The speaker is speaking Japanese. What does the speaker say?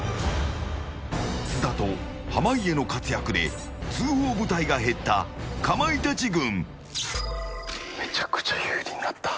津田と濱家の活躍で通報部隊が減った、かまいたち軍。